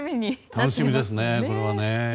楽しみですね、これはね。